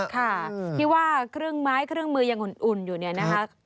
ค่ะที่ว่าเครื่องไม้เครื่องมือยังอุ่นอยู่เนี่ยนะคะ